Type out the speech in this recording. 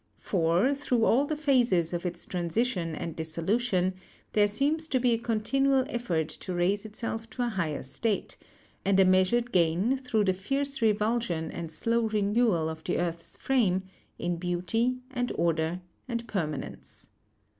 For, through all the phases of its transition and dissolution, there seems to be a con tinual effort to raise itself to a higher state; and a meas ured gain, through the fierce revulsion and slow renewal of the earth's frame, in beauty, and order, and perma nence.